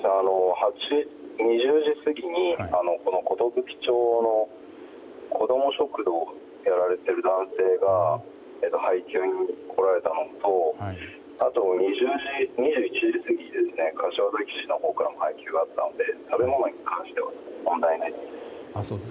２０時過ぎに、寿町の子供食堂をやられている男性が配給に来られたのとあとは２１時過ぎに柏崎のほうから配給があったので食べ物に関しては問題ないです。